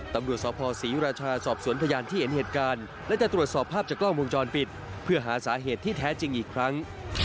ตำรวจสภศรีราชาสอบสวนพยานที่เห็นเหตุการณ์และจะตรวจสอบภาพจากกล้องวงจรปิดเพื่อหาสาเหตุที่แท้จริงอีกครั้ง